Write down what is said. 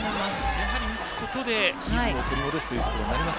やはり、打つことでリズムを取り戻すと。